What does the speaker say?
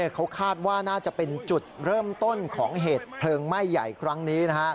เขาคาดว่าน่าจะเป็นจุดเริ่มต้นของเหตุเพลิงไหม้ใหญ่ครั้งนี้